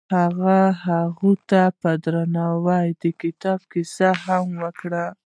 هغه هغې ته په درناوي د کتاب کیسه هم وکړه.